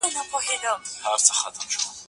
د نورو هيوادونو له تجربو بايد ګټه واخيستل سي.